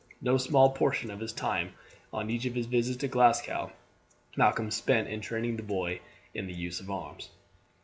No small portion of his time on each of his visits to Glasgow Malcolm spent in training the boy in the use of arms.